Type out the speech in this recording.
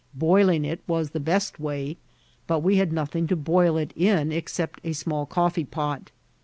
Boiling it was the best way ; but we had nothing to boil it in except a small coffee pot.